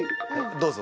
どうぞ。